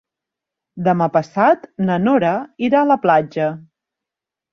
Demà passat na Nora irà a la platja.